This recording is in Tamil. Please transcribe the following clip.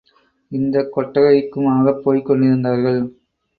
இந்த கொட்டகைக்குமாகப் போய்க் கொண்டிருந்தார்கள்.